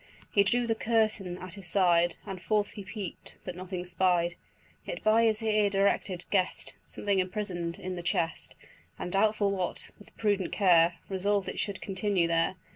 He drew the curtain at his side, And forth he peep'd, but nothing spied. Yet, by his ear directed, guess'd Something imprison'd in the chest, And, doubtful what, with prudent care Resolved it should continue there.